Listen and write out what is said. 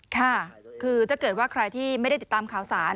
ค่ะคือถ้าเกิดว่าใครที่ไม่ได้ติดตามข่าวสาร